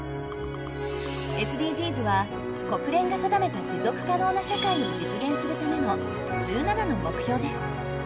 ＳＤＧｓは国連が定めた持続可能な社会を実現するための１７の目標です。